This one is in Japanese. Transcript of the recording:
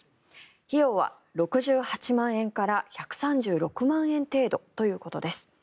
費用は６８万円から１３６万円程度ということです。